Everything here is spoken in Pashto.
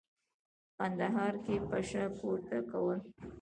په کندهار کې پشه پورته کول.